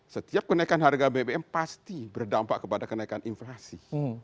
setiap kenaikan harga bbm pasti berdampak kepada kenaikan inflasi